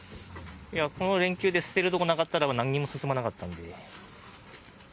この連休で捨てるとこなかったら、なんにも進まなかったんですよ。